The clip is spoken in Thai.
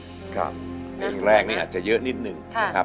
เพราะว่าเพลงแรกนี้อาจจะเยอะนิดนึงนะครับ